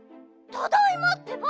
ただいまってば！